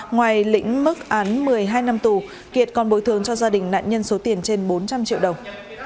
ngoài lĩnh mức án một mươi hai năm tù kiệt còn bồi thường cho gia đình nạn nhân số tiền trên bốn trăm linh triệu đồng